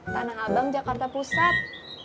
tanah abang jakarta pusat